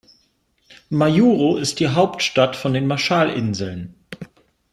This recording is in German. Majuro ist die Hauptstadt von den Marshallinseln.